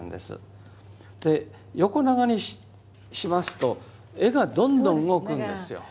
横長にしますと絵がどんどん動くんですよ。